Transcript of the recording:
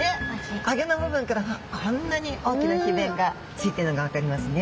あギョの部分からはこんなに大きな皮弁が付いてるのが分かりますね。